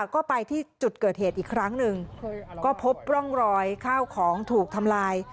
ก็ไปที่จุดเกิดเหตุอีกครั้งหนึ่งก็พบร่องรอยข้าวของถูกทำลาย